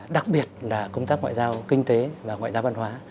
đặc biệt là công tác ngoại giao kinh tế và ngoại giao văn hóa